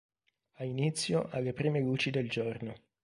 Ha inizio alle prime luci del giorno.